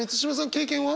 経験は？